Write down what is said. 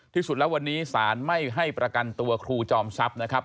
ที่สุดแล้ววันนี้สารไม่ให้ประกันตัวครูจอมทรัพย์นะครับ